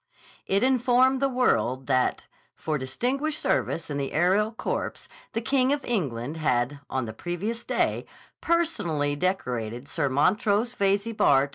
It informed the world that, for distinguished service in the aerial corps, the King of England had, on the previous day, personally decorated Sir Montrose Veyze, Bart.